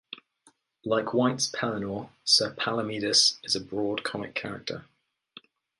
Like White's Pellinore, Sir Palomides is a broad comic character.